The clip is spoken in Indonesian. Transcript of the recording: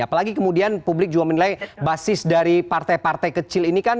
apalagi kemudian publik juga menilai basis dari partai partai kecil ini kan